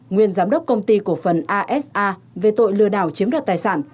nguyên giám đốc công ty cổ phần asa về tội lừa đảo chiếm đoạt tài sản